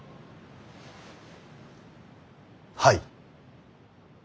はい。